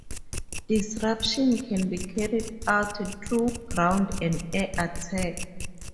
Disruption can be carried out through ground and air attack.